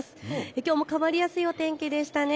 きょうも変わりやすいお天気でしたね。